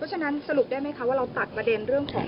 ฉะนั้นสรุปได้ไหมคะว่าเราตัดประเด็นเรื่องของ